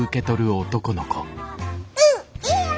うんいいよ。